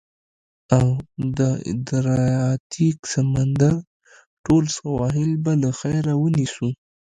او د ادریاتیک سمندر ټول سواحل به له خیره، ونیسو.